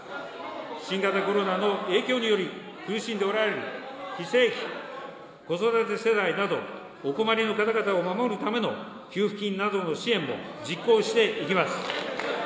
新型コロナの影響により、苦しんでおられる非正規、子育て世代など、お困りの方々を守るための給付金などの支援も実行していきます。